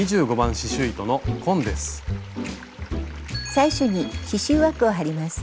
最初に刺しゅう枠を張ります。